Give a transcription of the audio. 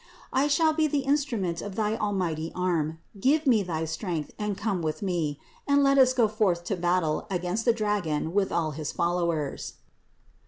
I shall be the instrument of thy almighty arm : give me thy strength and come with me, and let us go forth to battle against the dragon with all his followers."